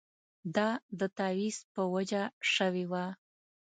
دا د تاویز په وجه شوې وه.